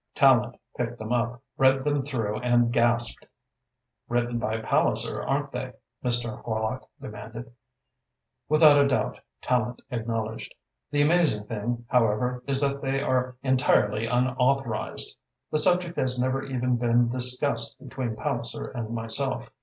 Tallente picked them up, read them through and gasped. "Written by Palliser, aren't they?" Mr. Horlock demanded. "Without a doubt," Tallente acknowledged. "The amazing thing, however, is that they are entirely unauthorised. The subject has never even been discussed between Palliser and myself.